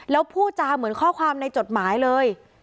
แล้วพูดจาเหมือนข้อความในจดหมายเลย